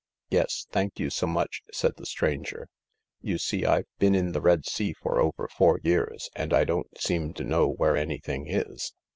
" Yes. Thank you so much," said the stranger. " You see, I've been in the Red Sea for over four years, and I don't seem to know where anythingis.